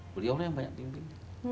beliau yang banyak pimpin